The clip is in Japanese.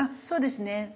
そうですね。